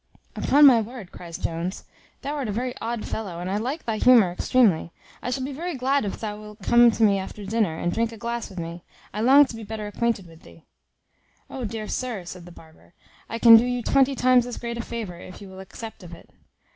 "Upon my word," cries Jones, "thou art a very odd fellow, and I like thy humour extremely; I shall be very glad if thou wilt come to me after dinner, and drink a glass with me; I long to be better acquainted with thee." "O dear sir!" said the barber, "I can do you twenty times as great a favour, if you will accept of it."